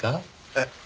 えっ？